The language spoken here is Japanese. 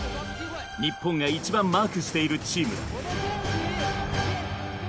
日本が一番マークしているチームだ。